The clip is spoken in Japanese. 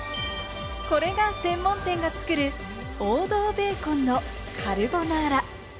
これが専門店が作る、王道ベーコンのカルボナーラ。